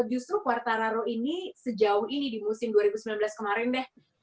justru quartararo ini sejauh ini di musim dua ribu sembilan belas kemarin deh